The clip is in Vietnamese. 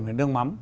với nước mắm